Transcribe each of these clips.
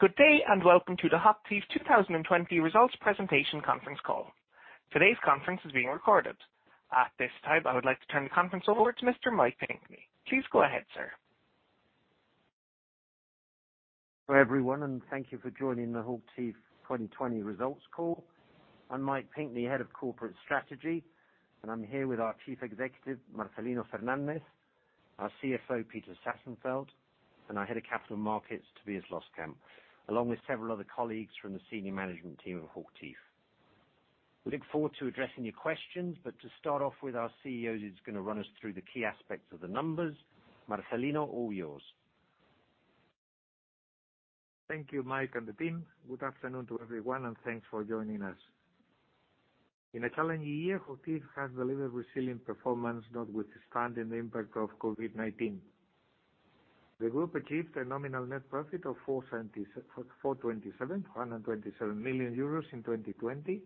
Good day. Welcome to the HOCHTIEF 2020 results presentation conference call. Today's conference is being recorded. At this time, I would like to turn the conference over to Mr. Mike Pinkney. Please go ahead, sir. Hello, everyone, thank you for joining the HOCHTIEF 2020 results call. I'm Mike Pinkney, Head of Corporate Strategy, and I'm here with our Chief Executive, Marcelino Fernández, our CFO, Peter Sassenfeld, and our Head of Capital Markets, Tobias Loskamp, along with several other colleagues from the senior management team of HOCHTIEF. We look forward to addressing your questions, to start off with our CEOs, who's going to run us through the key aspects of the numbers. Marcelino, all yours. Thank you, Mike and the team. Good afternoon to everyone and thanks for joining us. In a challenging year, HOCHTIEF has delivered resilient performance notwithstanding the impact of COVID-19. The group achieved a nominal net profit of 427 million euros in 2020,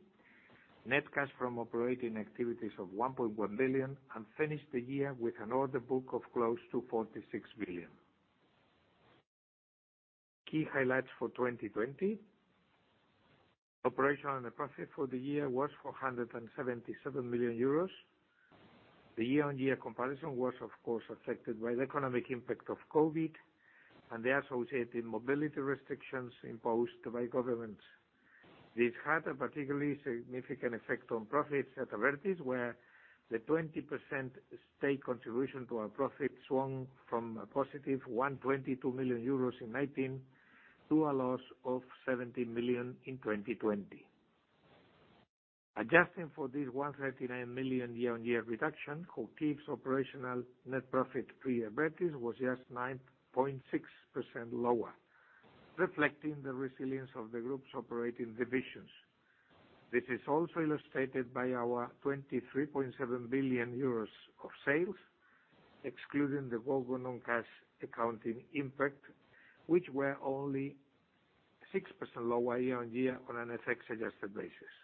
net cash from operating activities of 1.1 billion, and finished the year with an order book of close to 46 billion. Key highlights for 2020. Operational net profit for the year was 477 million euros. The year-on-year comparison was of course affected by the economic impact of COVID and the associated mobility restrictions imposed by governments. This had a particularly significant effect on profits at Abertis, where the 20% state contribution to our profit swung from a positive 122 million euros in 2019, to a loss of 70 million in 2020. Adjusting for this 139 million year-on-year reduction, HOCHTIEF's operational net profit pre-Abertis was just 9.6% lower, reflecting the resilience of the group's operating divisions. This is also illustrated by our 23.7 billion euros of sales, excluding the goodwill non-cash accounting impact, which were only 6% lower year-on-year on an FX adjusted basis.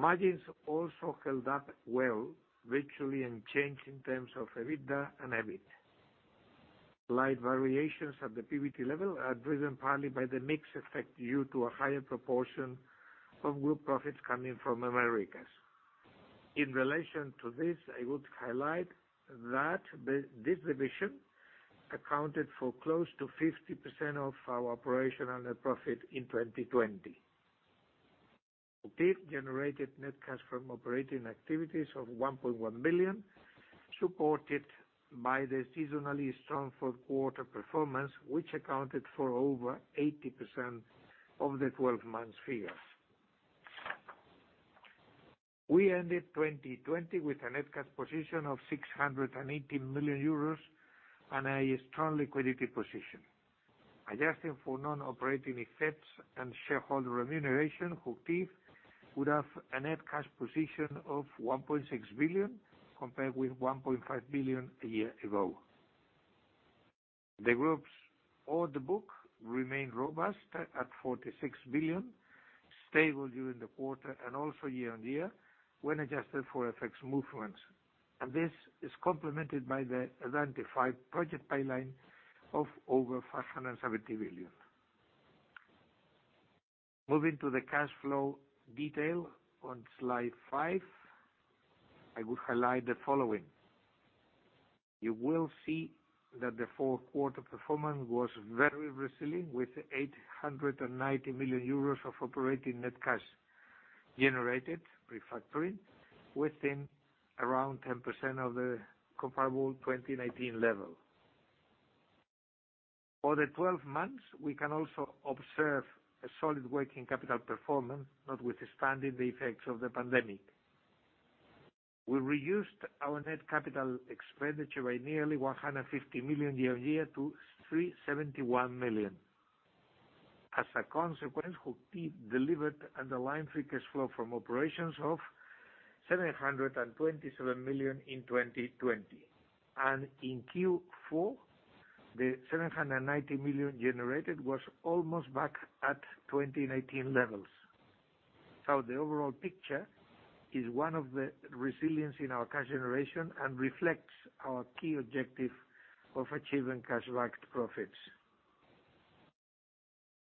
Margins also held up well, virtually unchanged in terms of EBITDA and EBIT. Slight variations at the PBT level are driven partly by the mix effect due to a higher proportion of group profits coming from Americas. In relation to this, I would highlight that this division accounted for close to 50% of our operational net profit in 2020. HOCHTIEF generated net cash from operating activities of 1.1 billion, supported by the seasonally strong fourth quarter performance, which accounted for over 80% of the 12-month figures. We ended 2020 with a net cash position of 680 million euros and a strong liquidity position. Adjusting for non-operating effects and shareholder remuneration, HOCHTIEF would have a net cash position of 1.6 billion compared with 1.5 billion a year ago. The group's order book remained robust at 46 billion, stable during the quarter and also year-on-year when adjusted for FX movements. This is complemented by the identified project pipeline of over 570 billion. Moving to the cash flow detail on slide five, I would highlight the following. You will see that the fourth quarter performance was very resilient, with 890 million euros of operating net cash generated pre-factoring, within around 10% of the comparable 2019 level. For the 12 months, we can also observe a solid working capital performance, notwithstanding the effects of the pandemic. We reduced our net capital expenditure by nearly 150 million year on year to 371 million. As a consequence, HOCHTIEF delivered underlying free cash flow from operations of 727 million in 2020. In Q4, the 790 million generated was almost back at 2019 levels. The overall picture is one of resilience in our cash generation and reflects our key objective of achieving cash-backed profits.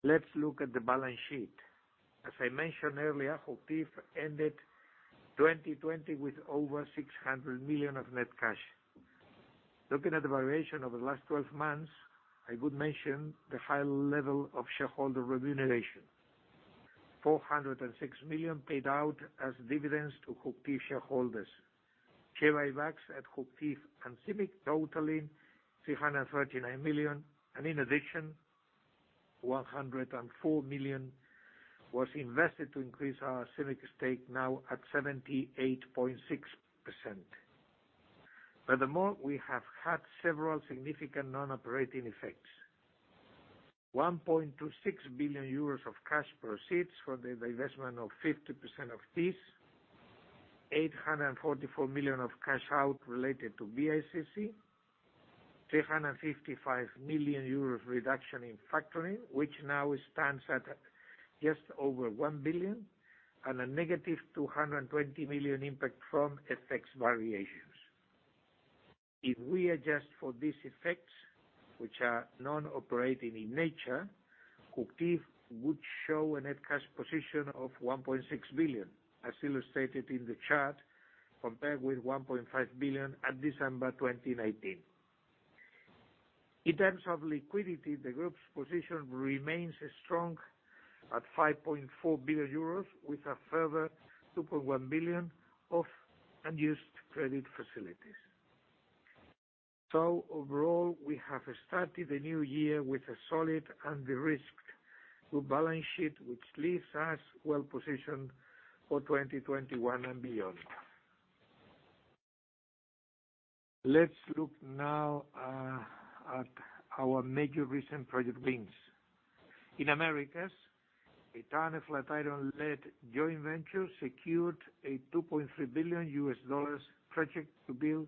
Let's look at the balance sheet. As I mentioned earlier, HOCHTIEF ended 2020 with over 600 million of net cash. Looking at the variation over the last 12 months, I would mention the high level of shareholder remuneration, 406 million paid out as dividends to HOCHTIEF shareholders. Share buybacks at HOCHTIEF and CIMIC totaling 339 million, and in addition, 104 million was invested to increase our CIMIC stake, now at 78.6%. Furthermore, we have had several significant non-operating effects. 1.26 billion euros of cash proceeds for the divestment of 50% of Thiess, 844 million of cash out related to BICC, 355 million euros reduction in factoring, which now stands at just over 1 billion, and a -220 million impact from FX variations. If we adjust for these effects, which are non-operating in nature, HOCHTIEF would show a net cash position of 1.6 billion, as illustrated in the chart, compared with 1.5 billion at December 2019. In terms of liquidity, the group's position remains strong at 5.4 billion euros, with a further 2.1 billion of unused credit facilities. Overall, we have started the new year with a solid and de-risked group balance sheet, which leaves us well-positioned for 2021 and beyond. Let's look now at our major recent project wins. In Americas, a Turner/Flatiron-led joint venture secured a $2.3 billion project to build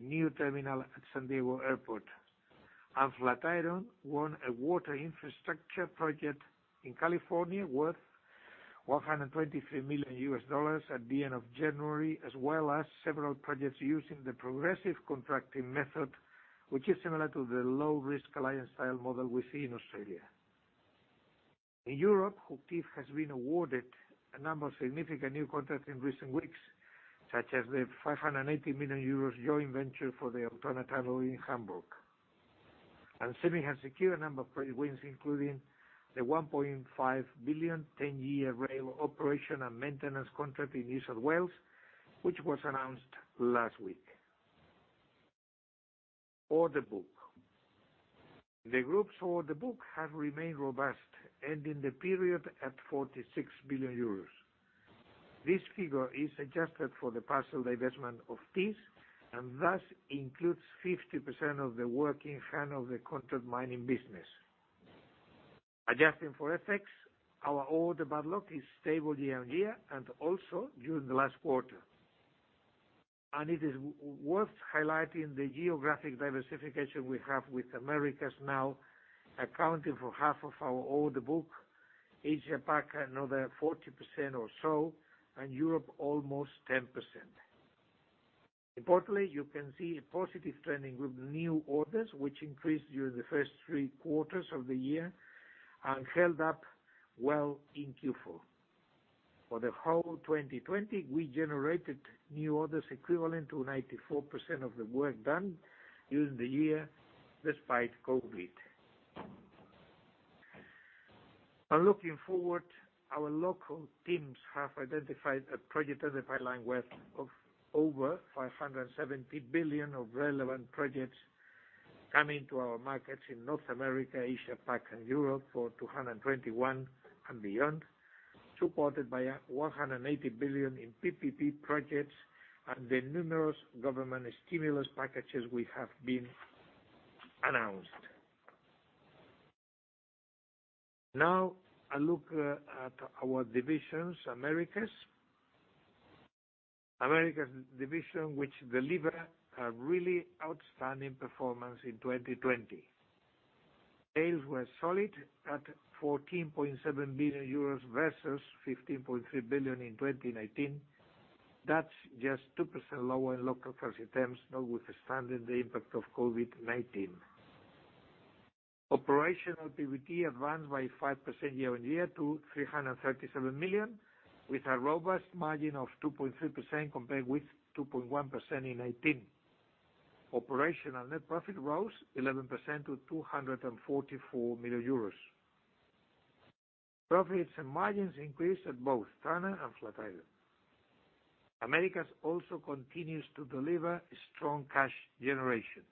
a new terminal at San Diego Airport. Flatiron won a water infrastructure project in California worth $123 million at the end of January, as well as several projects using the progressive contracting method, which is similar to the low-risk alliance style model we see in Australia. In Europe, HOCHTIEF has been awarded a number of significant new contracts in recent weeks, such as the 580 million euros joint venture for the Elbtunnel in Hamburg. CIMIC has secured a number of project wins, including the 1.5 billion, 10-year rail operation and maintenance contract in New South Wales, which was announced last week. Order book. The group's order book has remained robust, ending the period at 46 billion euros. This figure is adjusted for the partial divestment of Thiess, and thus includes 50% of the work in hand of the contract mining business. Adjusting for FX, our order backlog is stable year-on-year and also during the last quarter. It is worth highlighting the geographic diversification we have with Americas now accounting for half of our order book. Asia Pac, another 40% or so, and Europe almost 10%. Importantly, you can see a positive trending with new orders, which increased during the first three quarters of the year and held up well in Q4. For the whole 2020, we generated new orders equivalent to 94% of the work done during the year despite COVID. Looking forward, our local teams have identified a project pipeline worth of over 570 billion of relevant projects coming to our markets in North America, Asia Pac, and Europe for 2021 and beyond, supported by 180 billion in PPP projects and the numerous government stimulus packages which have been announced. Now, a look at our divisions. Americas. Americas division, which delivered a really outstanding performance in 2020. Sales were solid at 14.7 billion euros versus 15.3 billion in 2019. That's just 2% lower in local currency terms, notwithstanding the impact of COVID-19. Operational PBT advanced by 5% year on year to 337 million, with a robust margin of 2.3% compared with 2.1% in 2018. Operational net profit rose 11% to 244 million euros. Profits and margins increased at both Turner and Flatiron. Americas also continues to deliver strong cash generation.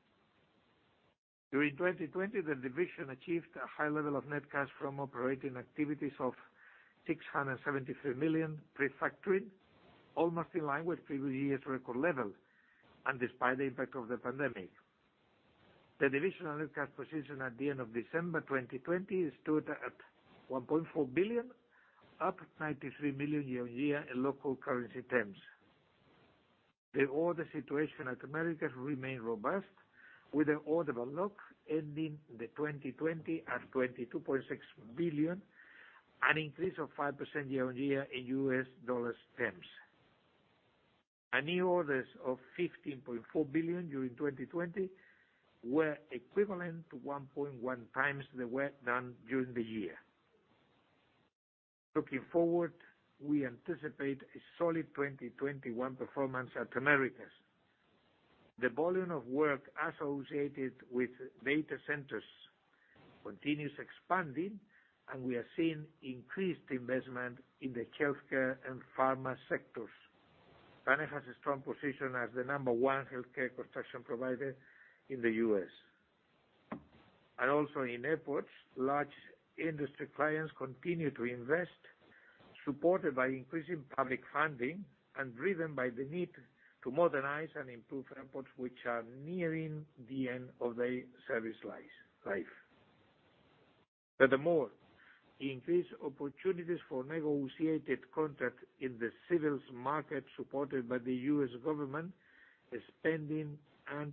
During 2020, the division achieved a high level of net cash from operating activities of 673 million pre-factoring, almost in line with previous year's record level and despite the impact of the pandemic. The divisional net cash position at the end of December 2020 stood at 1.4 billion, up 93 million year on year in local currency terms. The order situation at Americas remained robust, with an order backlog ending 2020 at $22.6 billion, an increase of 5% year-on-year in U.S. dollar terms. New orders of $15.4 billion during 2020 were equivalent to 1.1x the work done during the year. Looking forward, we anticipate a solid 2021 performance at Americas. The volume of work associated with data centers continues expanding, and we are seeing increased investment in the healthcare and pharma sectors. Turner has a strong position as the number one healthcare construction provider in the U.S. Also, in airports, large industry clients continue to invest, supported by increasing public funding and driven by the need to modernize and improve airports which are nearing the end of their service life. Furthermore, increased opportunities for negotiated contracts in the civils market, supported by the U.S. government spending and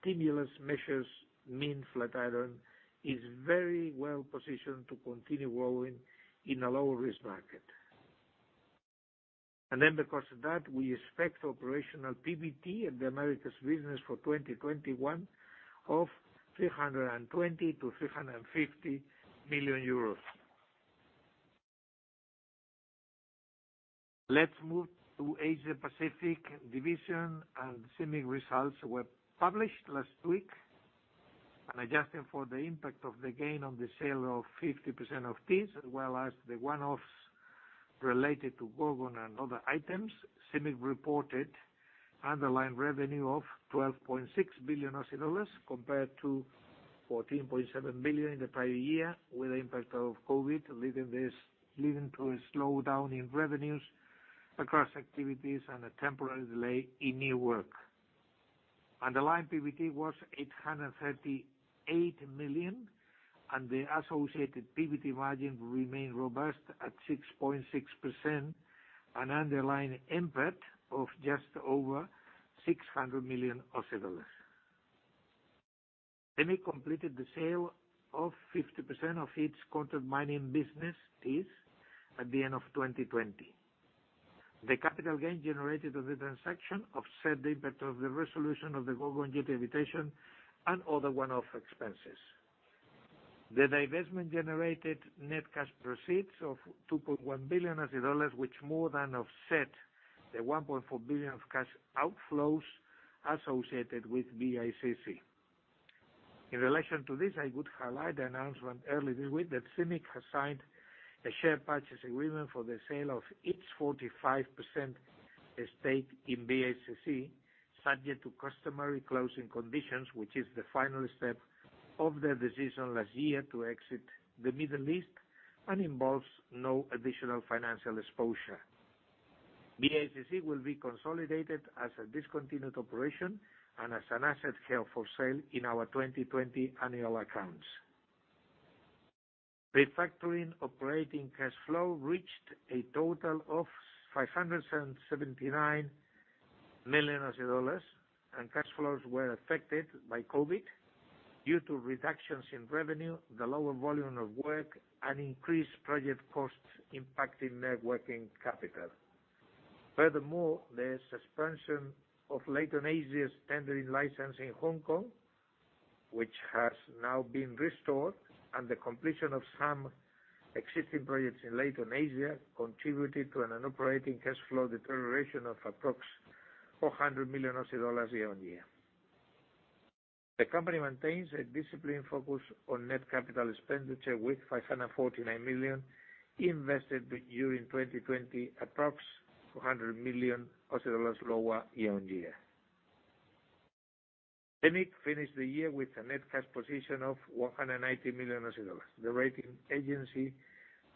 stimulus measures, mean Flatiron Construction is very well positioned to continue growing in a low-risk market. Because of that, we expect operational PBT at the Americas business for 2021 of 320 million-350 million euros. Let's move to Asia Pacific division, CIMIC results were published last week. Adjusting for the impact of the gain on the sale of 50% of Thiess, as well as the one-offs related to Gorgon and other items, CIMIC reported underlying revenue of 12.6 billion dollars compared to 14.7 billion in the prior year, with the impact of COVID leading to a slowdown in revenues across activities and a temporary delay in new work. Underlying PBT was 838 million, and the associated PBT margin remained robust at 6.6%, an underlying EBIT of just over AUD 600 million. CIMIC completed the sale of 50% of its contract mining business, Thiess, at the end of 2020. The capital gain generated of the transaction offset the impact of the resolution of the Gorgon jetty arbitration and other one-off expenses. The divestment generated net cash proceeds of 2.1 billion dollars, which more than offset the 1.4 billion of cash outflows associated with BICC. In relation to this, I would highlight the announcement early this week that CIMIC has signed a share purchase agreement for the sale of its 45% stake in BICC, subject to customary closing conditions, which is the final step of the decision last year to exit the Middle East and involves no additional financial exposure. BICC will be consolidated as a discontinued operation and as an asset held for sale in our 2020 annual accounts. Pre-factoring operating cash flow reached a total of 579 million dollars, and cash flows were affected by COVID due to reductions in revenue, the lower volume of work, and increased project costs, impacting net working capital. Furthermore, the suspension of Leighton Asia's tendering license in Hong Kong, which has now been restored, and the completion of some existing projects in Leighton Asia contributed to an operating cash flow deterioration of approx 400 million dollars year-on-year. The company maintains a disciplined focus on net capital expenditure, with 549 million invested during 2020, approx 400 million Australian dollars lower year-on-year. CIMIC finished the year with a net cash position of 190 million dollars. The rating agency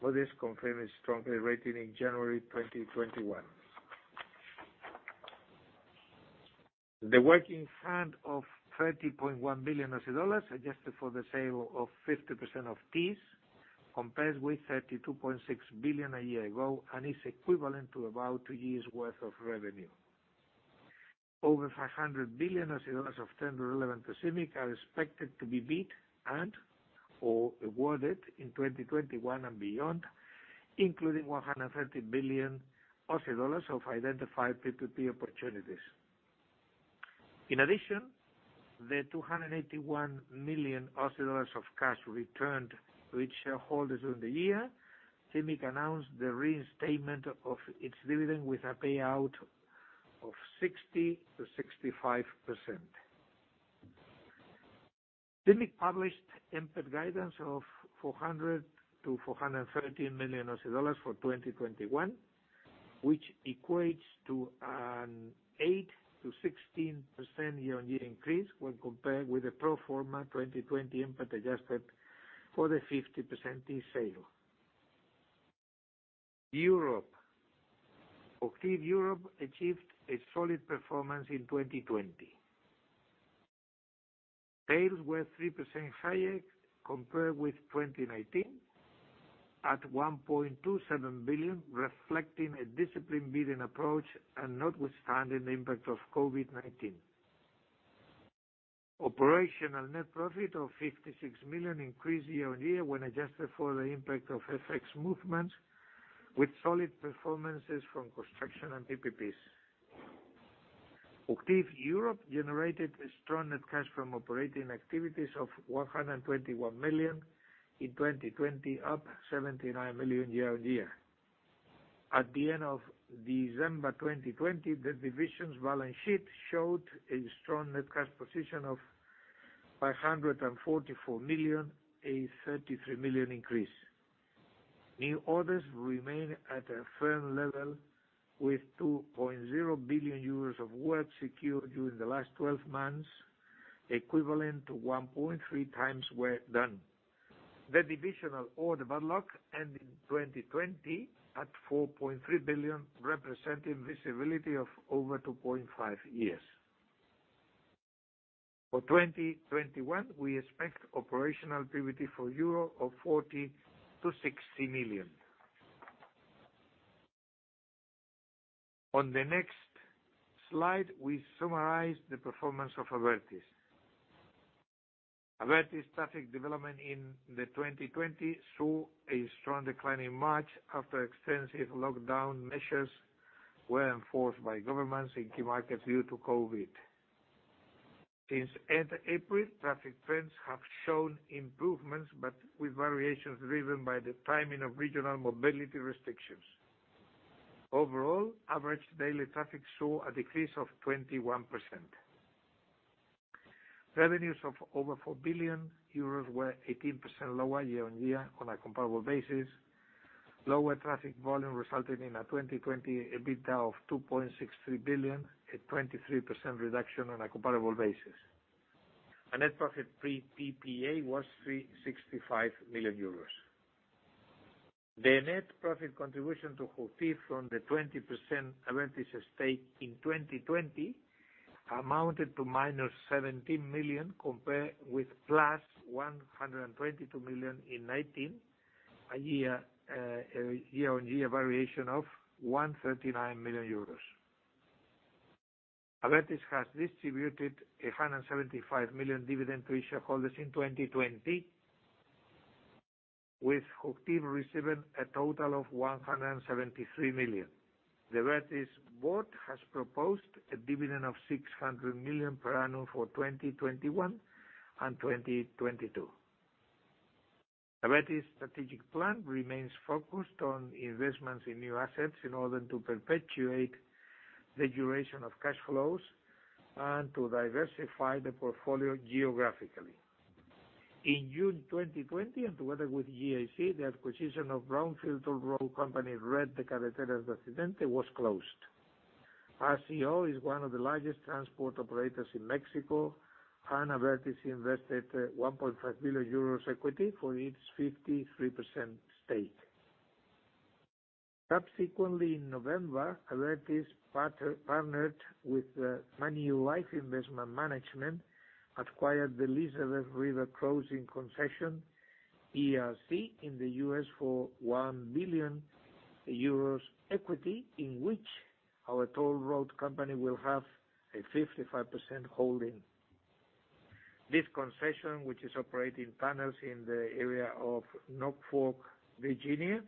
Moody's confirmed a strong rating in January 2021. The work in hand of 30.1 billion dollars, adjusted for the sale of 50% of Thiess, compares with 32.6 billion a year ago and is equivalent to about two years' worth of revenue. Over AUD 500 billion of tender relevant to CIMIC are expected to be bid and/or awarded in 2021 and beyond, including 130 billion Aussie dollars of identified PPP opportunities. In addition, the 281 million Aussie dollars of cash returned to its shareholders during the year, CIMIC announced the reinstatement of its dividend with a payout of 60%-65%. CIMIC published EBIT guidance of 400 million-430 million dollars for 2021, which equates to an 8%-16% year-on-year increase when compared with the pro forma 2020 EBIT, adjusted for the 50% Thiess sale. Europe. HOCHTIEF Europe achieved a solid performance in 2020. Sales were 3% higher compared with 2019, at 1.27 billion, reflecting a disciplined bidding approach and notwithstanding the impact of COVID-19. Operational net profit of 56 million increased year-on-year when adjusted for the impact of FX movement, with solid performances from construction and PPPs. HOCHTIEF Europe generated a strong net cash from operating activities of 121 million in 2020, up 79 million year-on-year. At the end of December 2020, the division's balance sheet showed a strong net cash position of 544 million, a 33 million increase. New orders remain at a firm level with 2.0 billion euros of work secured during the last 12 months, equivalent to 1.3x work done. The divisional order backlog ended 2020 at 4.3 billion, representing visibility of over 2.5 years. For 2021, we expect operational PBT of EUR 40 million-EUR 60 million. On the next slide, we summarize the performance of Abertis. Abertis traffic development in 2020 saw a strong decline in March after extensive lockdown measures were enforced by governments in key markets due to COVID. Since end April, traffic trends have shown improvements, but with variations driven by the timing of regional mobility restrictions. Overall, average daily traffic saw a decrease of 21%. Revenues of over 4 billion euros were 18% lower year-on-year on a comparable basis. Lower traffic volume resulted in a 2020 EBITDA of 2.63 billion, a 23% reduction on a comparable basis. A net profit pre-PPA was 365 million euros. The net profit contribution to HOCHTIEF from the 20% Abertis stake in 2020 amounted to +17 million, compared with +122 million in 2019, a year-on-year variation of 139 million euros. Abertis has distributed a 175 million dividend to shareholders in 2020, with HOCHTIEF receiving a total of 173 million. The Abertis board has proposed a dividend of 600 million per annum for 2021 and 2022. Abertis' strategic plan remains focused on investments in new assets in order to perpetuate the duration of cash flows and to diversify the portfolio geographically. In June 2020, and together with GIC, the acquisition of brownfield toll road company Red de Carreteras de Occidente was closed. RCO is one of the largest transport operators in Mexico, and Abertis invested 1.5 billion euros equity for its 53% stake. Subsequently, in November, Abertis partnered with Manulife Investment Management, acquired the Elizabeth River Crossing concession, ERC, in the U.S. for 1 billion euros equity, in which our toll road company will have a 55% holding. This concession, which is operating tunnels in the area of Norfolk, Virginia,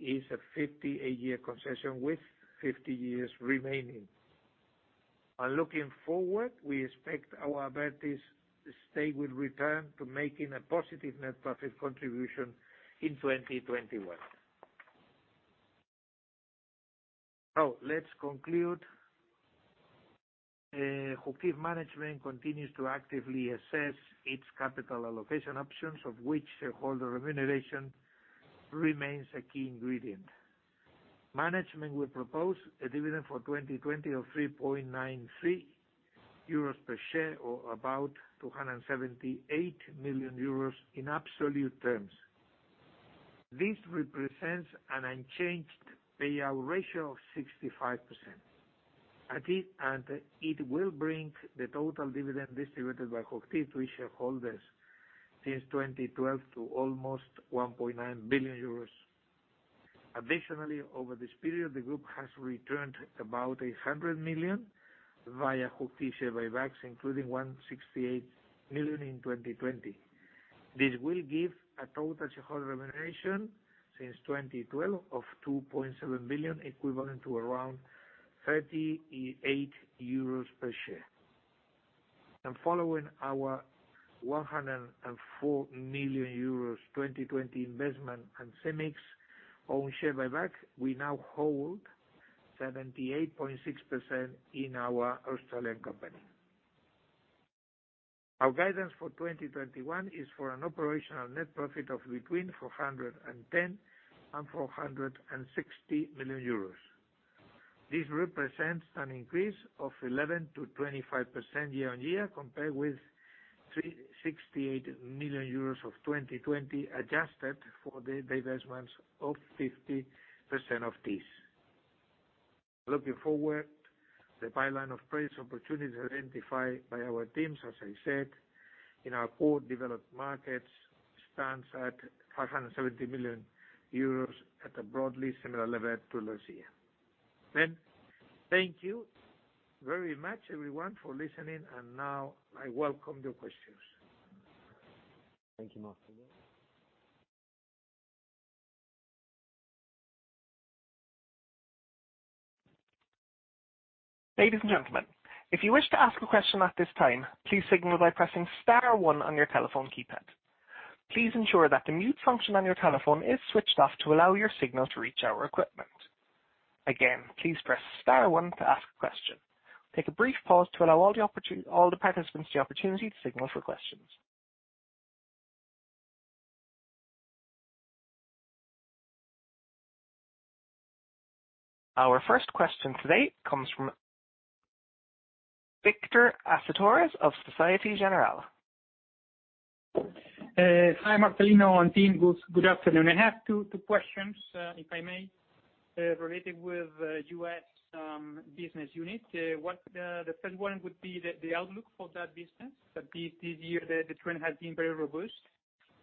is a 58-year concession with 50 years remaining. Looking forward, we expect our Abertis stake will return to making a positive net profit contribution in 2021. Let's conclude. HOCHTIEF management continues to actively assess its capital allocation options, of which shareholder remuneration remains a key ingredient. Management will propose a dividend for 2020 of 3.93 euros per share, or about 278 million euros in absolute terms. This represents an unchanged payout ratio of 65%, and it will bring the total dividend distributed by HOCHTIEF to shareholders since 2012 to almost 1.9 billion euros. Additionally, over this period, the group has returned about 100 million via HOCHTIEF share buybacks, including 168 million in 2020. This will give a total shareholder remuneration since 2012 of 2.7 billion, equivalent to around 38 euros per share. Following our 104 million euros 2020 investment and CIMIC own share buyback, we now hold 78.6% in our Australian company. Our guidance for 2021 is for an operational net profit of between 410 million and 460 million euros. This represents an increase of 11%-25% year-on-year, compared with 368 million euros of 2020, adjusted for the divestments of 50% of Thiess. Looking forward, the pipeline of project opportunities identified by our teams, as I said, in our core developed markets, stands at 570 billion euros at a broadly similar level to last year. Thank you very much everyone for listening, and now I welcome your questions. Thank you, Marcelino. Ladies and gentlemen, if you wish to ask a question at this time, please signal by pressing star one on your telephone keypad. Please ensure that the mute function on your telephone is switched off to allow your signal to reach our equipment. Again, please press star one to ask a question. Take a brief pause to allow all participants the opportunity to signal for questions. Our first question today comes from Victor Acitores of Societe Generale. Hi, Marcelino and team. Good afternoon. I have two questions, if I may, related with U.S. business unit. The first one would be the outlook for that business. This year, the trend has been very robust.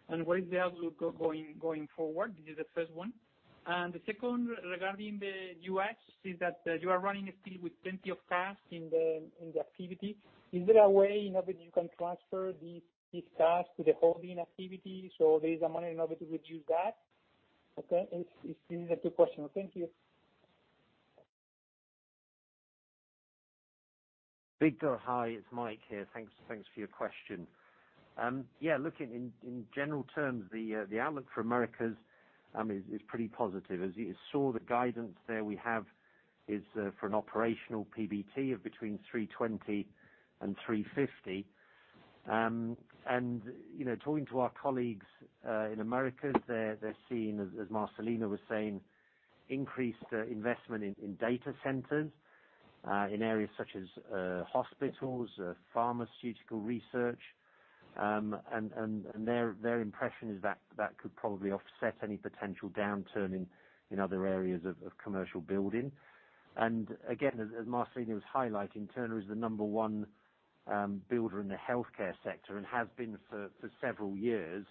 What is the outlook going forward? This is the first one. The second, regarding the U.S., is that you are running still with plenty of cash in the activity. Is there a way in which you can transfer this cash to the holding activity so there is money in order to reduce debt? Okay. These are two questions. Thank you. Victor, hi. It's Mike here. Thanks for your question. Looking in general terms, the outlook for Americas is pretty positive. As you saw, the guidance there we have is for an operational PBT of between 320 and 350. Talking to our colleagues in Americas, they're seeing, as Marcelino was saying, increased investment in data centers, in areas such as hospitals, pharmaceutical research. Their impression is that it could probably offset any potential downturn in other areas of commercial building. Again, as Marcelino was highlighting, Turner is the number one builder in the healthcare sector and has been for several years.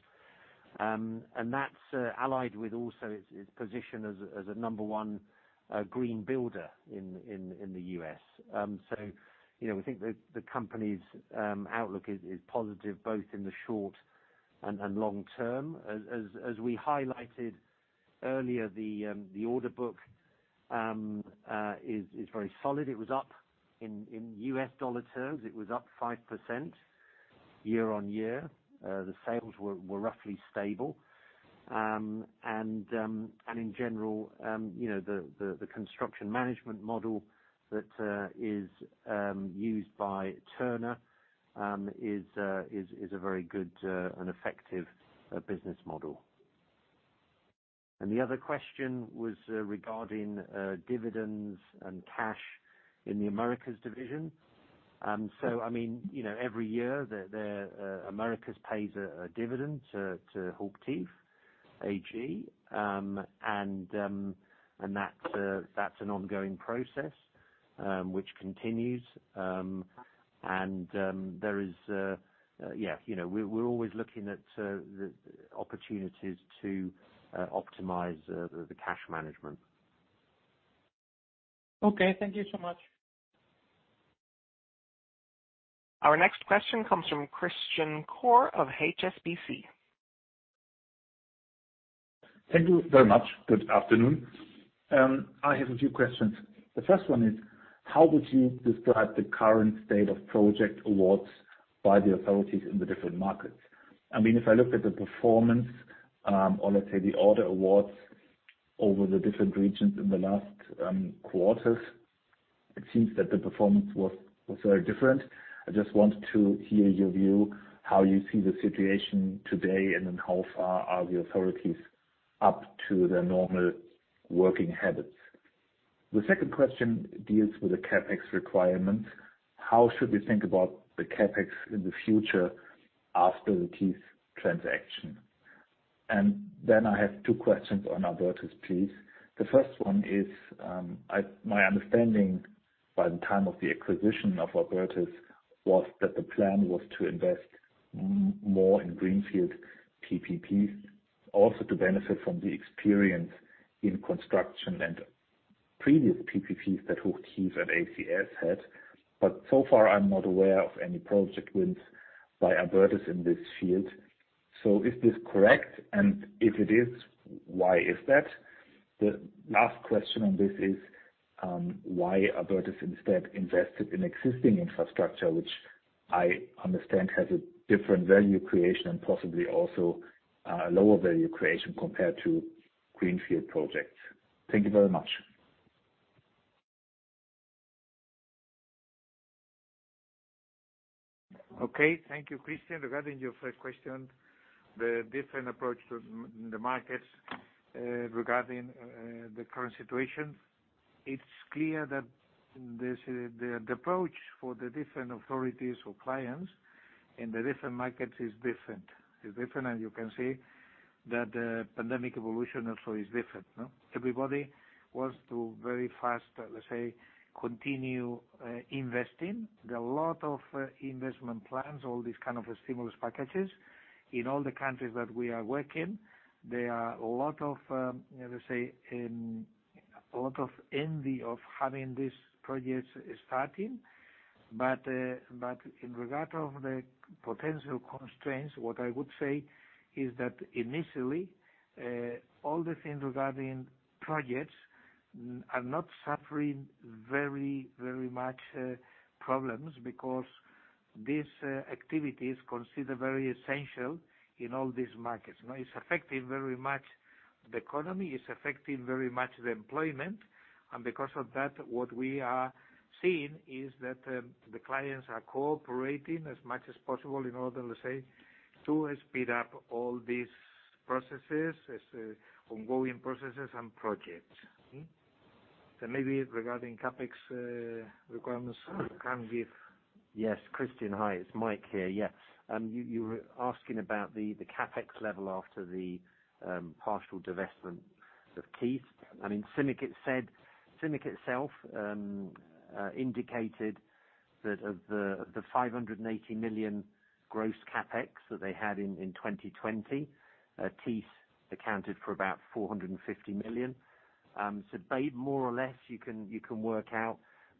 That's allied with also its position as a number one green builder in the U.S. We think the company's outlook is positive both in the short and long term. As we highlighted earlier, the order book is very solid. In U.S. dollar terms, it was up 5% year-over-year. The sales were roughly stable. In general, the construction management model that is used by Turner is a very good and effective business model. The other question was regarding dividends and cash in the Americas division. Every year, the Americas pays a dividend to HOCHTIEF AG, and that's an ongoing process, which continues. We're always looking at the opportunities to optimize the cash management. Okay. Thank you so much. Our next question comes from Christian Korth of HSBC. Thank you very much. Good afternoon. I have a few questions. The first one is, how would you describe the current state of project awards by the authorities in the different markets? If I look at the performance, or let's say the order awards over the different regions in the last quarters, it seems that the performance was very different. I just want to hear your view on how you see the situation today. How far are the authorities up to their normal working habits? The second question deals with the CapEx requirements. How should we think about the CapEx in the future after the Thiess transaction? I have two questions on Abertis, please. The first one is, my understanding by the time of the acquisition of Abertis was that the plan was to invest more in greenfield PPPs, also to benefit from the experience in construction and previous PPPs that HOCHTIEF and ACS had. So far, I'm not aware of any project wins by Abertis in this field. Is this correct? If it is, why is that? The last question on this is, why Abertis instead invested in existing infrastructure, which I understand has a different value creation and possibly also a lower value creation compared to greenfield projects. Thank you very much. Okay. Thank you, Christian. Regarding your first question, the different approach to the markets, regarding the current situation. It's clear that the approach for the different authorities or clients in the different markets is different. It's different, and you can see that the pandemic evolution also is different. Everybody wants to very fast, let's say, continue investing. There are a lot of investment plans, all these kinds of stimulus packages in all the countries that we are working. There are a lot of envy of having these projects starting. In regard of the potential constraints, what I would say is that initially, all the things regarding projects are not suffering very much problems because this activity is considered very essential in all these markets. Now it's affecting very much the economy, it's affecting very much the employment. Because of that, what we are seeing is that the clients are cooperating as much as possible in order, let's say, to speed up all these processes, as ongoing processes and projects. Can you maybe regarding CapEx requirements. Yes, Christian. Hi, it's Mike here. You were asking about the CapEx level after the partial divestment of CIMIC. CIMIC itself indicated that of the 580 million gross CapEx that they had in 2020, Thiess accounted for about 450 million. So, pay more or less, you can work out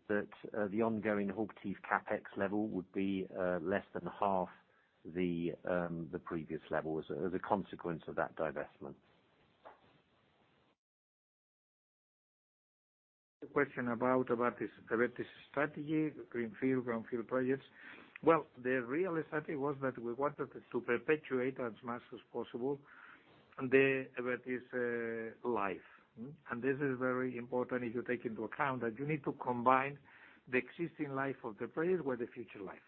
that the ongoing HOCHTIEF CapEx level would be less than half the previous level as a consequence of that divestment. The question about this strategy, the greenfield, brownfield projects. Well, the real strategy was that we wanted to perpetuate as much as possible the Abertis life. This is very important if you take into account that you need to combine the existing life of the project with the future life.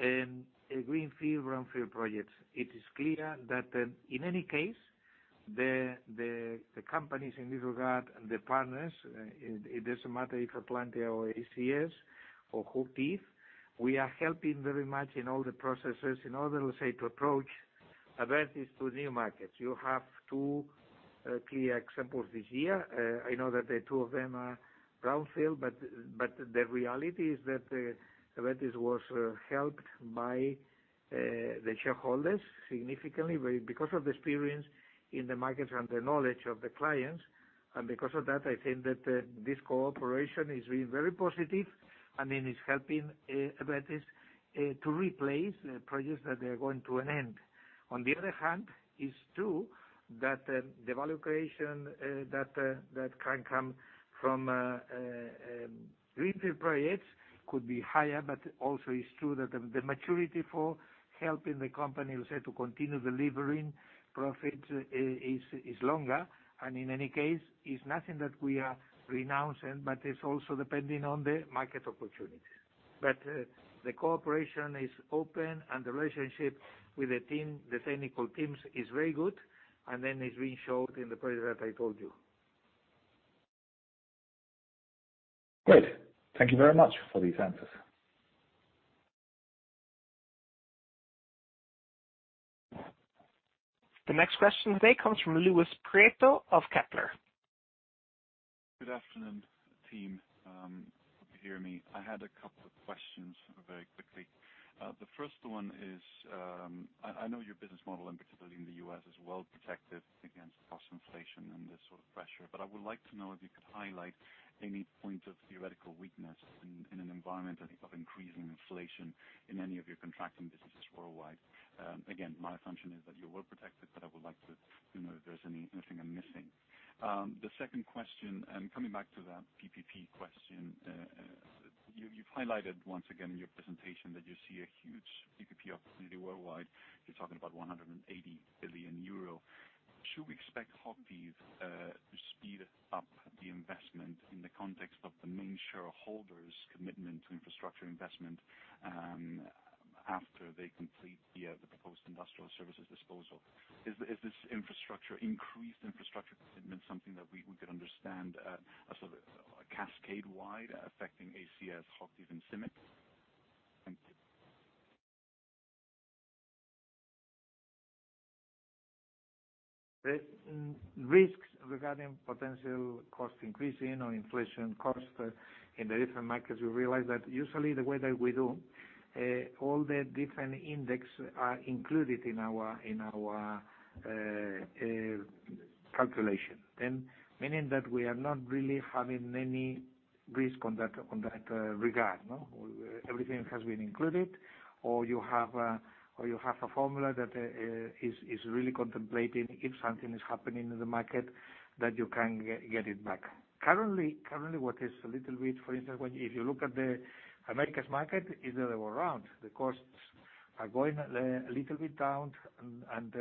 In greenfield, brownfield projects, it is clear that in any case, the companies in this regard and the partners, it doesn't matter if Atlantia or ACS or HOCHTIEF, we are helping very much in all the processes. In order, let's say, to approach Abertis to new markets. You have two clear examples this year. I know that the two of them are brownfield, but the reality is that Abertis was helped by the shareholders significantly because of the experience in the markets and the knowledge of the clients. Because of that, I think that this cooperation is being very positive, and it is helping Abertis to replace projects that are going to an end. On the other hand, it is true that the value creation that can come from greenfield projects could be higher, but also it is true that the maturity for helping the company, let's say, to continue delivering profit is longer, and in any case, it is nothing that we are renouncing, but it is also depending on the market opportunities. The cooperation is open, and the relationship with the technical teams is very good, and then it is being showed in the project that I told you. Great. Thank you very much for these answers. The next question today comes from Luis Prieto of Kepler. Good afternoon, team. Hope you hear me. I had a couple of questions very quickly. The first one is, I know your business model, and particularly in the U.S., is well protected against cost inflation and this sort of pressure. I would like to know if you could highlight any point of theoretical weakness in an environment, I think, of increasing inflation in any of your contracting businesses worldwide. Again, my assumption is that you're well protected, but I would like to know if there's anything I'm missing. The second question, coming back to that PPP question, you've highlighted once again in your presentation that you see a huge PPP opportunity worldwide. You're talking about 180 billion euro. Should we expect HOCHTIEF to speed up the investment in the context of the main shareholder's commitment to infrastructure investment, after they complete the proposed industrial services disposal? Is this increased infrastructure commitment something that we could understand as sort of cascade wide affecting ACS, HOCHTIEF, and CIMIC? Thank you. Risks regarding potential cost increasing or inflation cost in the different markets, we realize that usually the way that we do, all the different index are included in our calculation. Meaning that we are not really having any risk on that regard. Everything has been included, or you have a formula that is really contemplating if something is happening in the market, that you can get it back. Currently, what is a little bit, for instance, if you look at the Americas market, it's the other way around. The costs are going a little bit down, and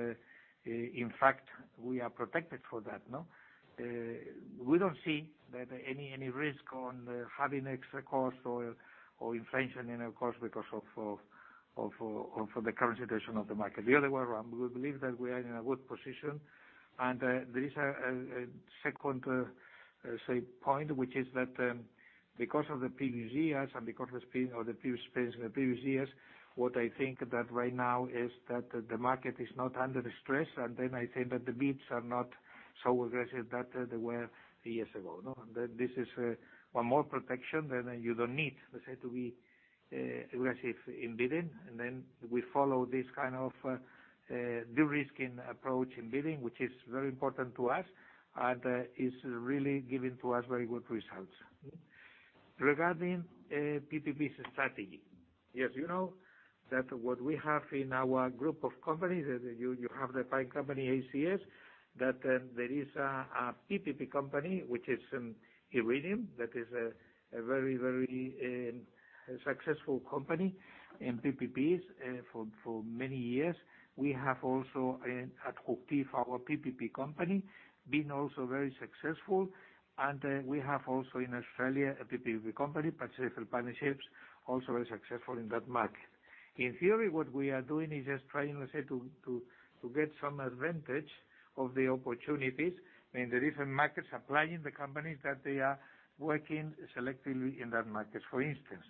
in fact, we are protected for that. We don't see any risk on having extra cost or inflation in our cost because of the current situation of the market. The other way around, we believe that we are in a good position. There is a second point, which is that because of the previous years and because of the experience in the previous years, what I think that right now is that the market is not under the stress, and then I think that the bids are not so aggressive that they were years ago. This is one more protection. You don't need, let's say, to be aggressive in bidding. We follow this kind of de-risking approach in bidding, which is very important to us and is really giving to us very good results. Regarding PPP strategy. As you know, what we have in our group of companies, you have the fine company, ACS, that there is a PPP company, which is Iridium. That is a very, very successful company in PPPs for many years. We have also at HOCHTIEF, our PPP company, been also very successful. We have also in Australia, a PPP company, Pacific Partnerships, also very successful in that market. In theory, what we are doing is just trying, let's say, to get some advantage of the opportunities in the different markets, applying the companies that they are working selectively in that market. For instance,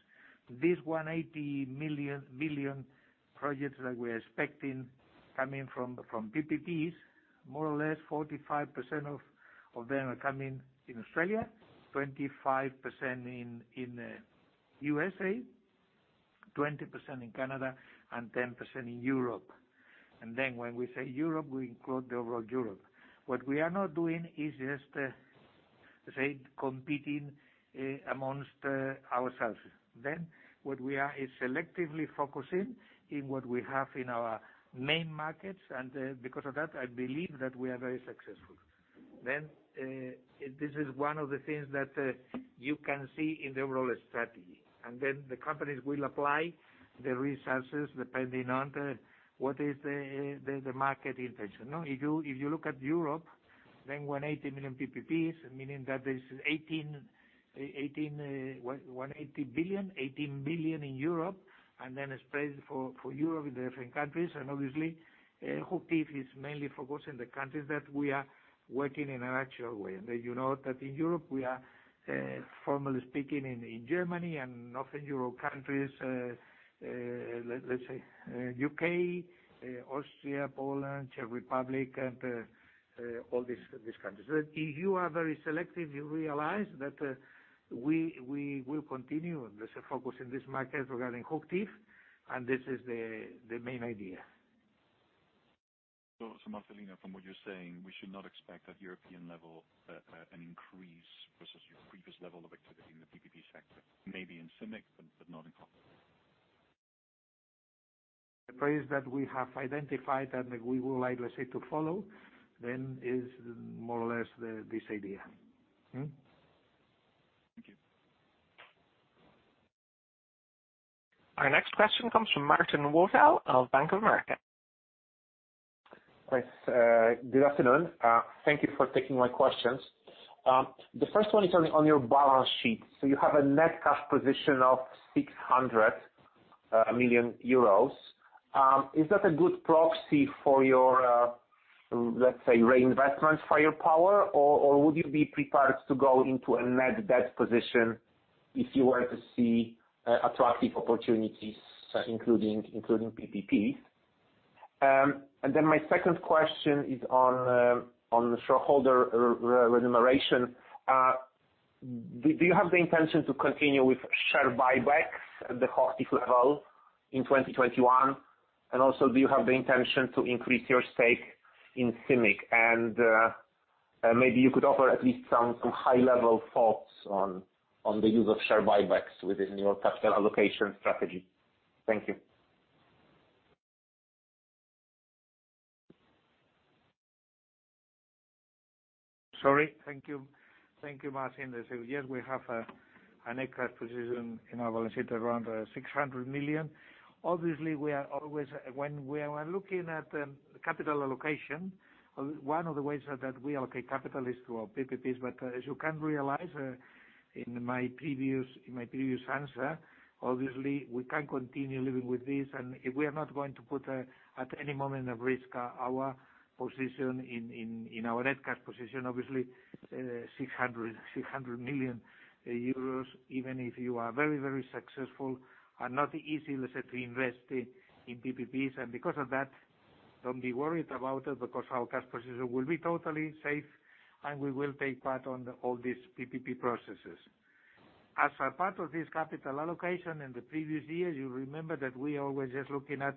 this 180 million projects that we're expecting coming from PPPs, more or less 45% of them are coming in Australia, 25% in U.S.A., 20% in Canada, and 10% in Europe. When we say Europe, we include the overall Europe. What we are not doing is just, let's say, competing amongst ourselves. What we are is selectively focusing in what we have in our main markets, and because of that, I believe that we are very successful. This is one of the things that you can see in the overall strategy. Then the companies will apply the resources depending on what is the market intention. If you look at Europe, 180 million PPPs, meaning that there's 180 billion in Europe, spread for Europe in the different countries. Obviously, HOCHTIEF is mainly focused in the countries that we are working in an actual way. You know that in Europe we are formally speaking in Germany and Northern Europe countries, let's say U.K., Austria, Poland, Czech Republic, and all these countries. If you are very selective, you realize that we will continue. There's a focus in this market regarding HOCHTIEF, and this is the main idea. Marcelino, from what you're saying, we should not expect at European level, an increase versus your previous level of activity in the PPP sector, maybe in CIMIC, but not in HOCHTIEF. The price that we have identified and we would like, let's say, to follow then is more or less this idea. Thank you. Our next question comes from Marcin Wojtal of Bank of America. Yes, good afternoon. Thank you for taking my questions. The first one is on your balance sheet. You have a net cash position of 600 million euros. Is that a good proxy for your, let's say, reinvestment firepower? Or would you be prepared to go into a net debt position if you were to see attractive opportunities, including PPPs? My second question is on shareholder remuneration. Do you have the intention to continue with share buybacks at the HOCHTIEF level in 2021? Also, do you have the intention to increase your stake in CIMIC? Maybe you could offer at least some high-level thoughts on the use of share buybacks within your capital allocation strategy. Thank you. Sorry. Thank you. Thank you, Marcin. Yes, we have a net cash position in our balance sheet around 600 million. Obviously, when we are looking at capital allocation, one of the ways that we allocate capital is through our PPPs. As you can realize in my previous answer, obviously, we can continue living with this, and we are not going to put at any moment at risk our position in our net cash position. Obviously, 600 million euros, even if you are very successful, are not easy, let's say, to invest in PPPs. Because of that, don't be worried about it, because our cash position will be totally safe, and we will take part on all these PPP processes. As a part of this capital allocation in the previous years, you remember that we always just looking at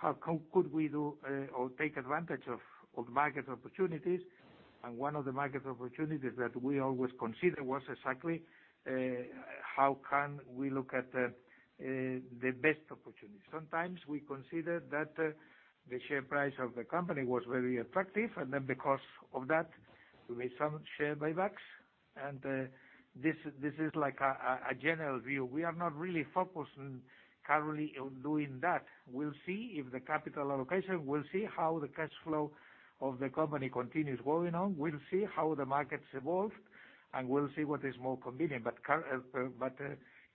how could we do or take advantage of market opportunities. One of the market opportunities that we always consider was exactly how can we look at the best opportunity. Sometimes we consider that the share price of the company was very attractive, and then because of that, we made some share buybacks, and this is like a general view. We are not really focused currently on doing that. We will see if the capital allocation, we will see how the cash flow of the company continues going on. We will see how the markets evolve, and we will see what is more convenient.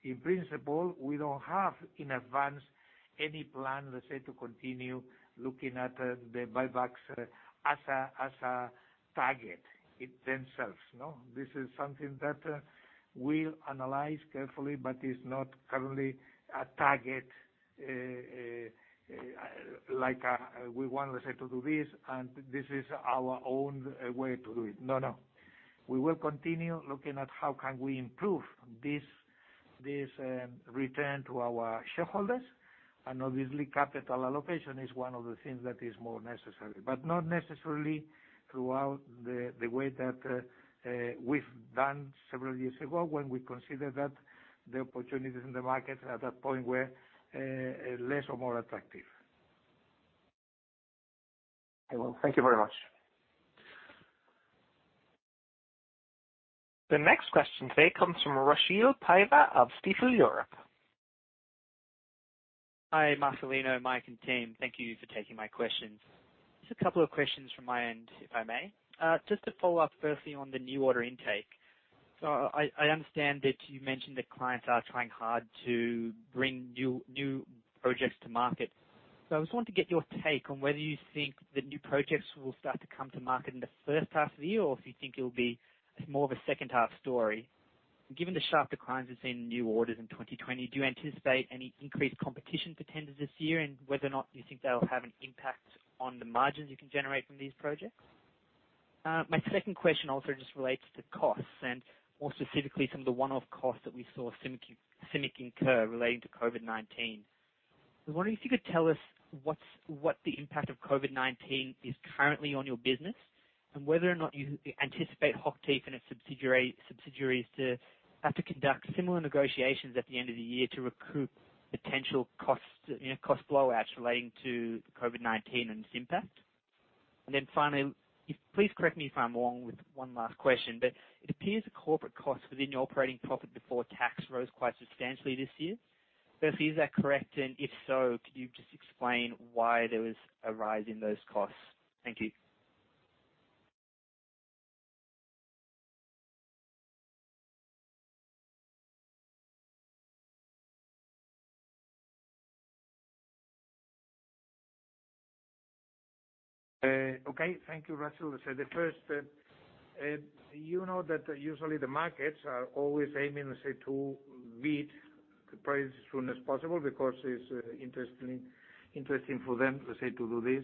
In principle, we don't have in advance any plan, let's say, to continue looking at the buybacks as a target in themselves. This is something that we will analyze carefully, but is not currently a target, like we want, let's say, to do this, and this is our own way to do it. No. We will continue looking at how can we improve this return to our shareholders. Obviously, capital allocation is one of the things that is more necessary, but not necessarily throughout the way that we've done several years ago when we consider that the opportunities in the market at that point were less or more attractive. Well, thank you very much. The next question today comes from Rushil Paiva of Stifel Europe. Hi, Marcelino, Mike, and team. Thank you for taking my questions. Just a couple of questions from my end, if I may. Just to follow up, firstly on the new order intake. I understand that you mentioned that clients are trying hard to bring new projects to market. I just wanted to get your take on whether you think the new projects will start to come to market in the first half of the year, or if you think it'll be more of a second-half story. Given the sharp declines we've seen in new orders in 2020, do you anticipate any increased competition for tenders this year, and whether or not you think that'll have an impact on the margins you can generate from these projects? My second question also just relates to costs, and more specifically, some of the one-off costs that we saw CIMIC incur relating to COVID-19. I was wondering if you could tell us what the impact of COVID-19 is currently on your business, and whether or not you anticipate HOCHTIEF and its subsidiaries to have to conduct similar negotiations at the end of the year to recoup potential cost blowouts relating to COVID-19 and its impact. Finally, please correct me if I'm wrong with one last question, but it appears the corporate costs within your operating profit before tax rose quite substantially this year. Firstly, is that correct, and if so, could you just explain why there was a rise in those costs? Thank you. Okay. Thank you, Rushil. The first, you know that usually the markets are always aiming, let's say, to beat the price as soon as possible because it's interesting for them, let's say, to do this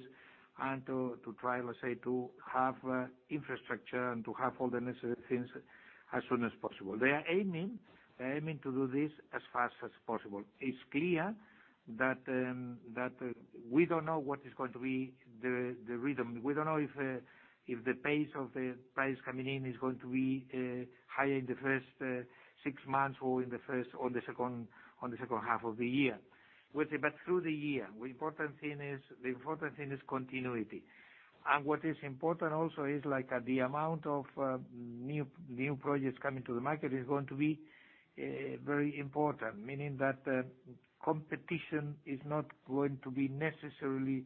and to try, let's say, to have infrastructure and to have all the necessary things as soon as possible. They are aiming to do this as fast as possible. It's clear that we don't know what is going to be the rhythm. We don't know if the pace of the price coming in is going to be higher in the first 6 months or in the first or the second half of the year. Through the year, the important thing is continuity. What is important also is the amount of new projects coming to the market is going to be very important, meaning that competition is not going to be necessarily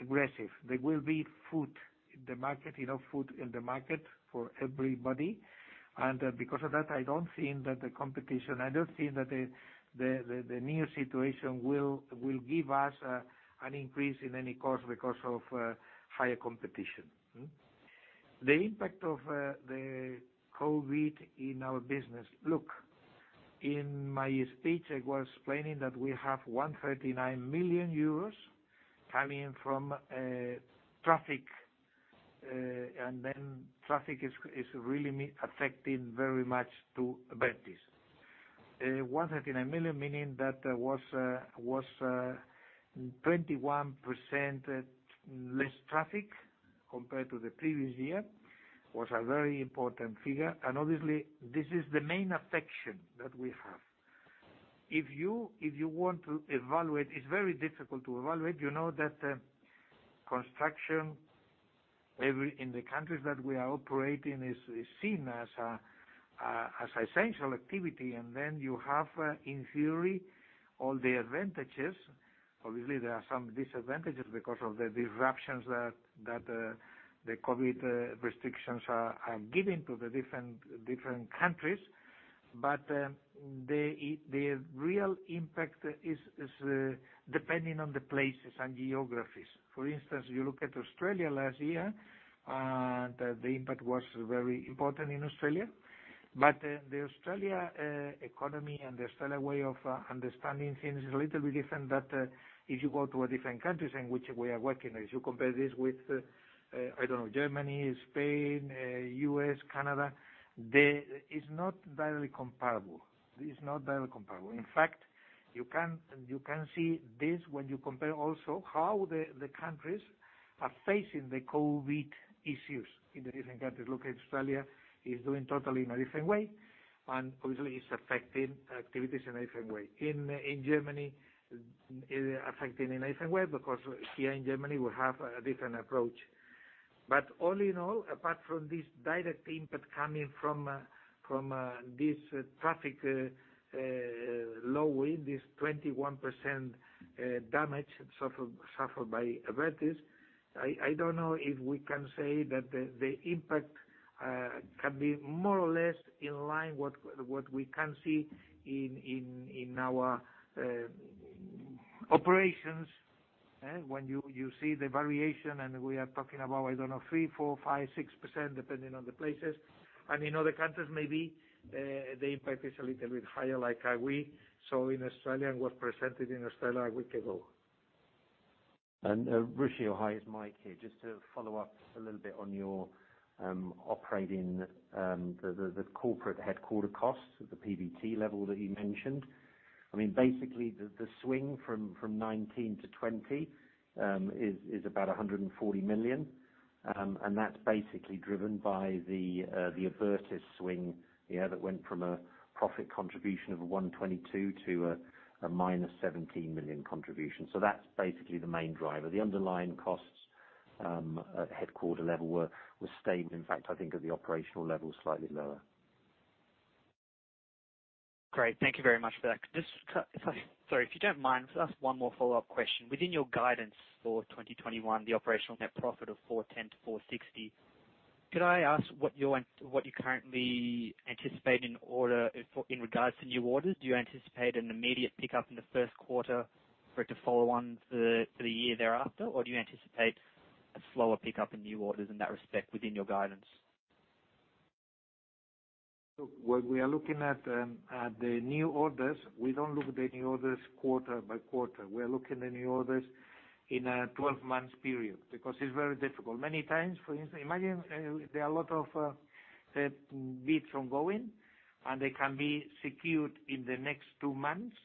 aggressive. There will be food in the market for everybody. Because of that, I don't think that the competition, I don't think that the new situation will give us an increase in any cost because of higher competition. The impact of the COVID in our business. Look, in my speech, I was explaining that we have 139 million euros coming in from traffic is really affecting very much to Abertis. 139 million, meaning that was 21% less traffic compared to the previous year, was a very important figure. Obviously, this is the main affection that we have. If you want to evaluate, it's very difficult to evaluate, you know that construction in the countries that we are operating is seen as an essential activity. You have, in theory, all the advantages. Obviously, there are some disadvantages because of the disruptions that the COVID restrictions are giving to the different countries. The real impact is depending on the places and geographies. For instance, you look at Australia last year, the impact was very important in Australia. The Australia economy and the Australia way of understanding things is a little bit different that if you go to a different countries in which we are working, if you compare this with, I don't know, Germany, Spain, U.S., Canada, it's not directly comparable. In fact, you can see this when you compare also how the countries are facing the COVID issues in the different countries. Look at Australia, is doing totally in a different way, obviously it's affecting activities in a different way. In Germany, it is affecting in a different way because here in Germany, we have a different approach. All in all, apart from this direct impact coming from this traffic low in, this 21% damage suffered by Abertis, I don't know if we can say that the impact can be more or less in line what we can see in our operations. When you see the variation, and we are talking about, I don't know, 3%, 4%, 5%, 6%, depending on the places. In other countries, maybe the impact is a little bit higher, like how we saw in Australia and was presented in Australia a week ago. Rushil, hi, it's Mike here. Just to follow up a little bit on your operating, the corporate headquarters costs at the PBT level that you mentioned. Basically, the swing from 2019 to 2020 is about 140 million, and that's basically driven by the Abertis swing that went from a profit contribution of 122 to a minus 17 million contribution. That's basically the main driver. The underlying costs at the headquarters level were stayed, in fact, I think at the operational level, slightly lower. Great. Thank you very much for that. Sorry, if you don't mind, can I ask one more follow-up question? Within your guidance for 2021, the operational net profit of 410 million-460 million, could I ask what you currently anticipate in regards to new orders? Do you anticipate an immediate pickup in the first quarter for it to follow on for the year thereafter, or do you anticipate a slower pickup in new orders in that respect within your guidance? Look, when we are looking at the new orders, we don't look at the new orders quarter by quarter. We are looking at new orders in a 12-month period, because it's very difficult. Many times, for instance, imagine there are a lot of bids ongoing, and they can be secured in the next two months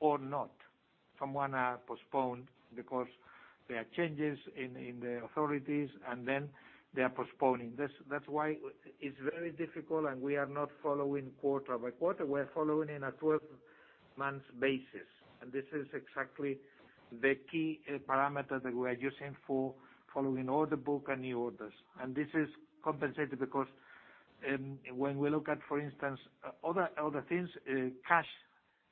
or not. Some are postponed because there are changes in the authorities, and then they are postponing. That's why it's very difficult, and we are not following quarter by quarter. We're following in a 12-month basis. This is exactly the key parameter that we are using for following order book and new orders. This is compensated because when we look at, for instance, other things, cash.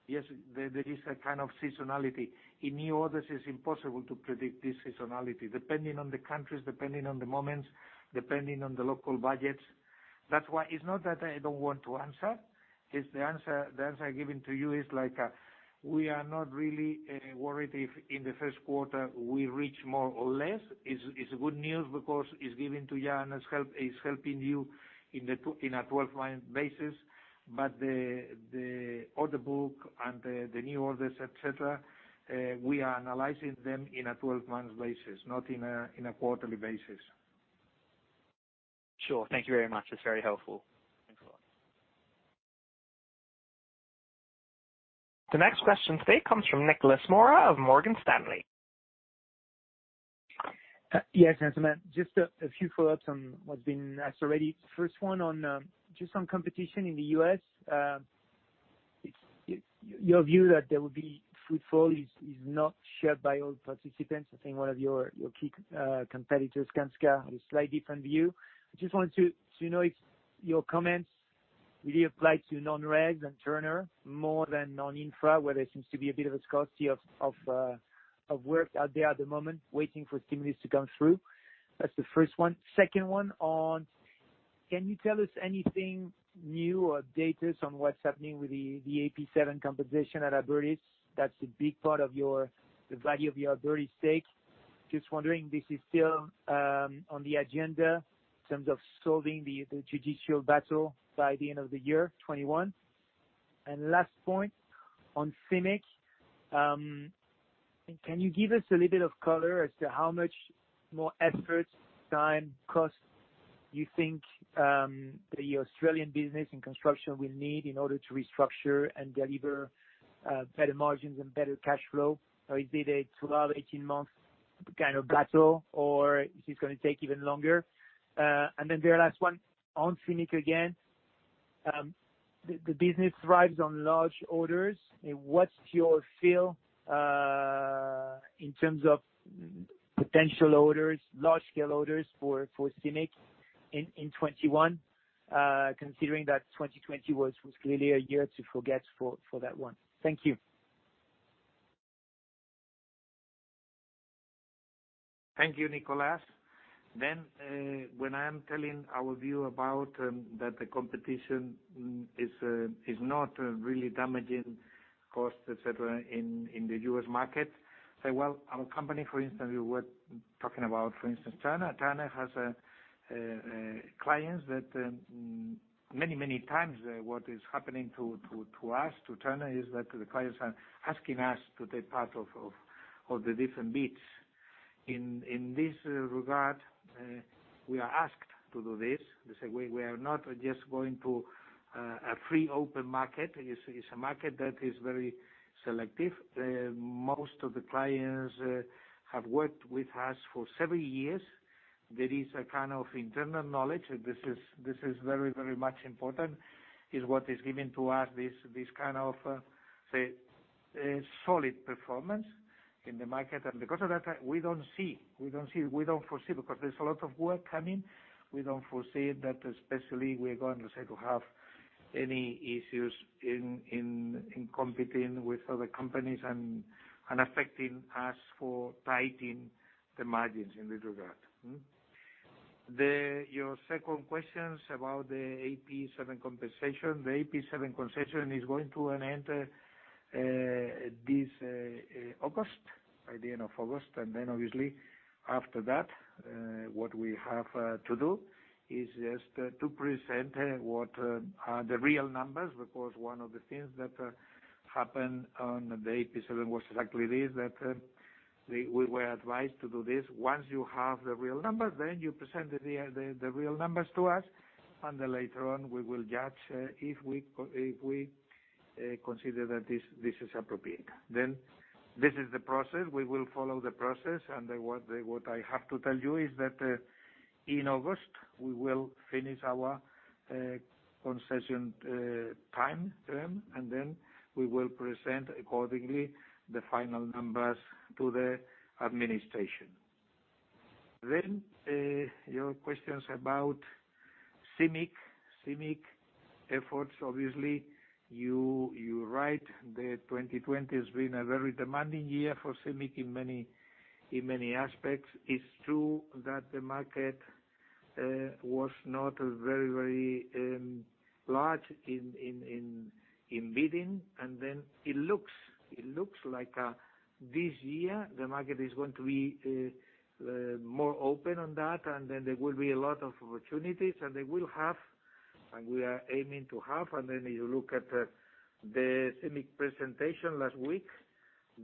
Yes, there is a kind of seasonality. In new orders, it's impossible to predict this seasonality. Depending on the countries, depending on the moments, depending on the local budgets. That's why it's not that I don't want to answer. It's the answer I've given to you is we are not really worried if in the first quarter we reach more or less. It's good news because it's giving to you is helping you in a 12-month basis. The order book and the new orders, et cetera, we are analyzing them in a 12-month basis, not in a quarterly basis. Sure. Thank you very much. That's very helpful. The next question today comes from Nicolas Mora of Morgan Stanley. Yes, thanks. A few follow-ups on what's been asked already. First one on competition in the U.S. Your view that there will be fruitful is not shared by all participants. I think one of your key competitors, Skanska, has a slightly different view. Wanted to know if your comments really apply to non-residential and Turner more than non-infra, where there seems to be a bit of a scarcity of work out there at the moment, waiting for stimulus to come through. That's the first one. Second one, can you tell us anything new or updated on what's happening with the AP7 compensation at Abertis? That's a big part of the value of your Abertis stake. Wondering if this is still on the agenda in terms of solving the judicial battle by the end of the year, 2021. Last point on CIMIC. Can you give us a little bit of color as to how much more effort, time, cost you think the Australian business and construction will need in order to restructure and deliver better margins and better cash flow? Is it a 12, or 18-month kind of battle or is it going to take even longer? The very last one on CIMIC again. The business thrives on large orders. What's your feel in terms of potential orders, large scale orders for CIMIC in 2021? Considering that 2020 was clearly a year to forget for that one. Thank you. Thank you, Nicolas. When I am telling our view about that the competition is not really damaging costs, et cetera, in the U.S. market. Well, our company, for instance, we were talking about, for instance, Turner. Turner has clients that many times what is happening to us, to Turner, is that the clients are asking us to take part of the different bids. In this regard, we are asked to do this. They say, we are not just going to a free, open market. It's a market that is very selective. Most of the clients have worked with us for several years. There is a kind of internal knowledge. This is very much important, is what is giving to us this kind of, say, solid performance in the market. Because of that, we don't foresee, because there's a lot of work coming. We don't foresee that, especially we're going, let's say, to have any issues in competing with other companies and affecting us for tightening the margins in this regard. Your second questions about the AP7 concession. The AP7 concession is going to an end this August, by the end of August. Obviously after that, what we have to do is just to present what are the real numbers. One of the things that happened on the AP7 was exactly this, that we were advised to do this. Once you have the real numbers, you present the real numbers to us, later on, we will judge if we consider that this is appropriate. This is the process. We will follow the process. What I have to tell you is that in August, we will finish our concession time term, and then we will present accordingly the final numbers to the administration. Your questions about CIMIC efforts. Obviously, you are right. The 2020 has been a very demanding year for CIMIC in many aspects. It is true that the market was not very large in bidding. It looks like this year, the market is going to be more open on that, and then there will be a lot of opportunities and they will have, and we are aiming to have. If you look at the CIMIC presentation last week,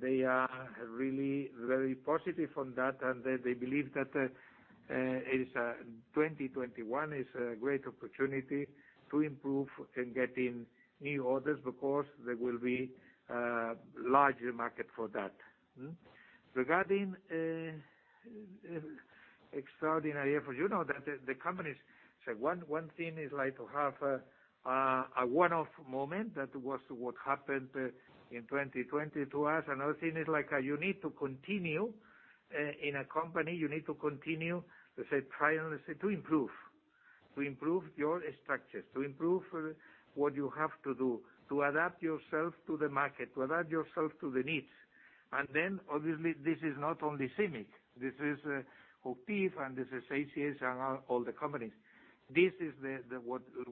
they are really very positive on that. They believe that 2021 is a great opportunity to improve in getting new orders, because there will be larger market for that. Regarding extraordinary effort, you know that the companies. One thing is to have a one-off moment, that was what happened in 2020 to us. Another thing is you need to continue. In a company, you need to continue to try and to improve. To improve your structures, to improve what you have to do, to adapt yourself to the market, to adapt yourself to the needs. Obviously, this is not only CIMIC, this is HOCHTIEF, and this is ACS, and all the companies. This is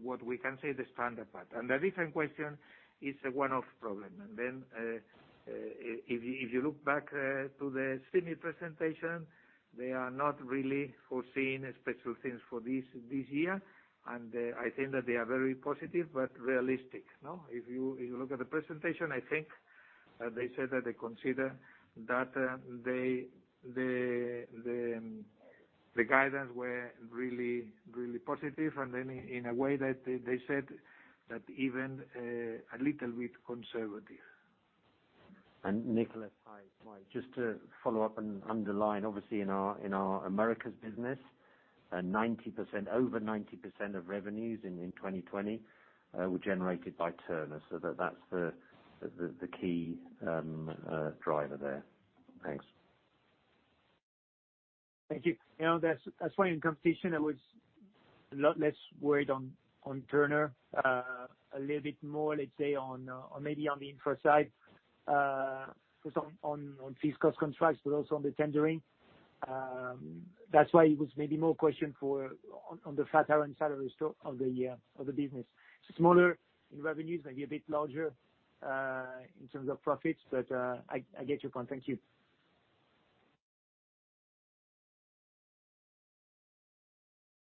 what we can say the standard part. The different question is a one-off problem. If you look back to the CIMIC presentation, they are not really foreseeing special things for this year. I think that they are very positive, but realistic. If you look at the presentation, I think they said that they consider that the guidance were really positive. In a way, they said that even a little bit conservative. Nicolas, hi. Just to follow up and underline, obviously, in our Americas business, over 90% of revenues in 2020 were generated by Turner. That's the key driver there. Thanks. Thank you. That's why in competition, I was a lot less worried on Turner. A little bit more, let's say, maybe on the infra side, on fixed cost contracts, but also on the tendering. That's why it was maybe more question on the Flatiron side of the business. Smaller in revenues, maybe a bit larger in terms of profits. But I get your point. Thank you.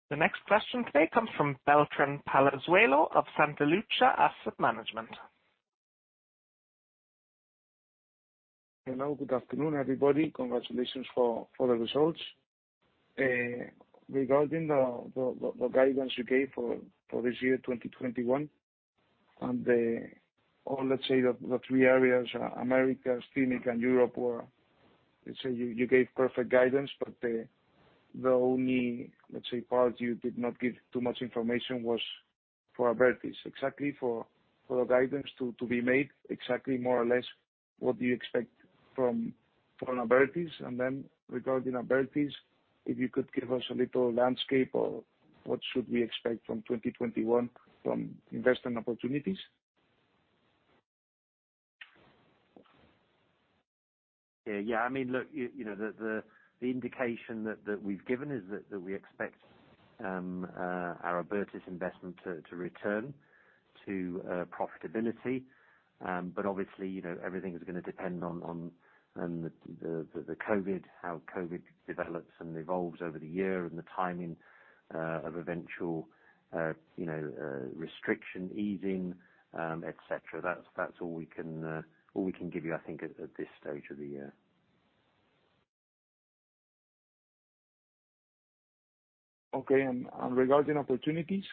The next question today comes from Beltrán Palazuelo of Santa Lucía Asset Management. Hello. Good afternoon, everybody. Congratulations for the results. Regarding the guidance you gave for this year, 2021, overall, let's say, the three areas, Americas, CIMIC, and Europe, where, let's say, you gave perfect guidance, but the only, let's say, part you did not give too much information was for Abertis. Exactly for the guidance to be made, more or less what do you expect from Abertis? Regarding Abertis, if you could give us a little landscape of what should we expect from 2021 from investment opportunities? Yeah. Look, the indication that we've given is that we expect our Abertis investment to return to profitability. Obviously, everything is going to depend on how COVID develops and evolves over the year, and the timing of eventual restriction easing, et cetera. That's all we can give you, I think, at this stage of the year. Okay. Regarding opportunities,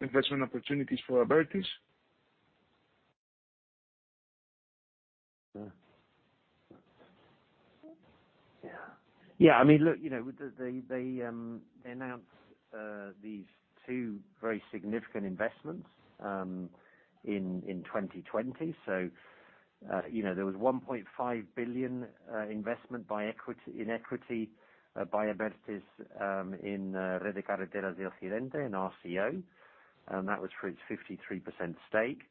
investment opportunities for Abertis? Yeah. Look, they announced these two very significant investments in 2020. There was 1.5 billion investment in equity by Abertis in Red de Carreteras de Occidente, in RCO, that was for its 53% stake.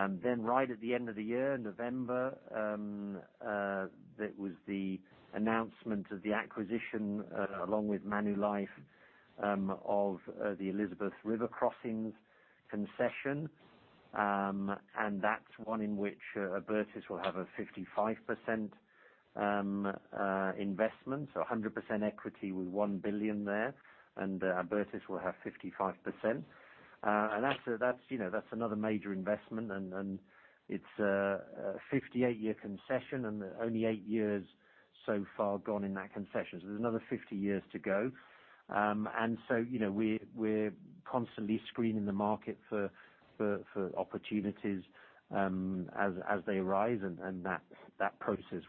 Right at the end of the year, November, there was the announcement of the acquisition, along with Manulife, of the Elizabeth River Crossings concession. That's one in which Abertis will have a 55% investment. 100% equity with 1 billion there, Abertis will have 55%. That's another major investment, it's a 58-year concession, only eight years so far gone in that concession. There's another 50 years to go. We're constantly screening the market for opportunities as they arise, that process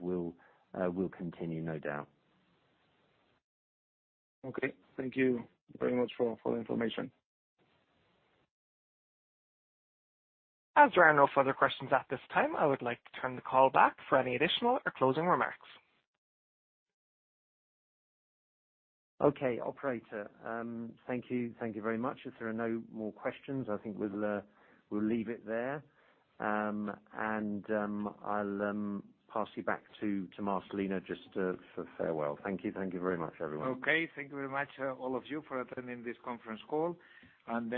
will continue, no doubt. Okay. Thank you very much for the information. As there are no further questions at this time, I would like to turn the call back for any additional or closing remarks. Okay. Operator, thank you. Thank you very much. If there are no more questions, I think we'll leave it there. I'll pass you back to Marcelino just for farewell. Thank you. Thank you very much, everyone. Okay. Thank you very much, all of you, for attending this conference call. Good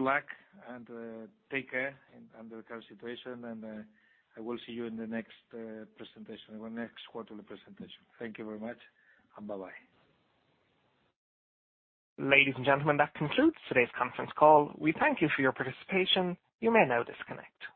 luck, and take care in the current situation, and I will see you in the next presentation, our next quarterly presentation. Thank you very much, and bye-bye. Ladies and gentlemen, that concludes today's conference call. We thank you for your participation. You may now disconnect.